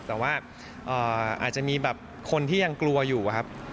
แต่ว่าอาจจะมีแบบคนที่ยังกลัวอยู่ครับ